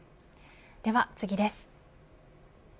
では次です。